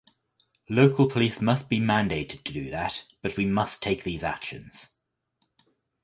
Local police must be mandated to do that, but we must take these actions.